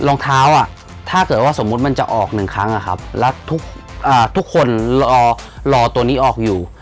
รองเท้าอ่ะถ้าเกิดว่าสมมุติมันจะออกหนึ่งครั้งแล้วทุกคนรอตัวนี้ออกอยู่